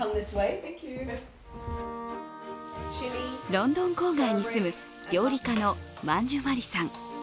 ロンドン郊外に住む料理家のマンジュ・マリさん。